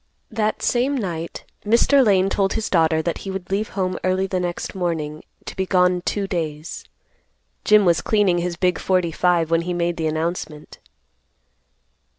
That same night, Mr. Lane told his daughter that he would leave home early the next morning to be gone two days. Jim was cleaning his big forty five when he made the announcement.